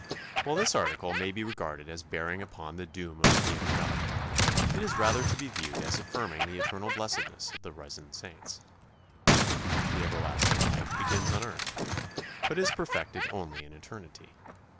" While this article may be regarded as bearing upon the doom of the ungodly, it is rather to be viewed as affirming the eternal blessedness of the risen saints. The everlasting life begins on earth, but is perfected only in eternity.